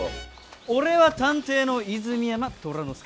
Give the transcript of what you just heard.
俺は探偵の泉山虎之介。